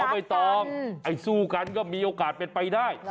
ไม่ต้องสู้กันก็มีโอกาสเป็นไปได้